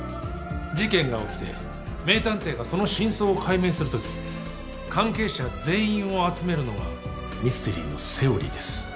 事件が起きて名探偵がその真相を解明するとき関係者全員を集めるのがミステリーのセオリーです。